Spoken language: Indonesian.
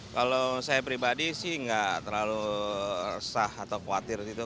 kalau saya pribadi sih nggak terlalu resah atau khawatir gitu